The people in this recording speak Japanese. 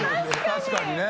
確かにね。